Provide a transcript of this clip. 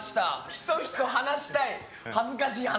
ひそひそ話したい恥ずかしい話。